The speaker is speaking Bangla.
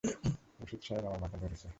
রশিদ সাহেব, আমার মাথা ধরেছে।